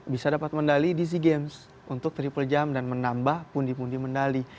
bisa dapat mendali di sea games untuk triple jam dan menambah pundi pundi mendali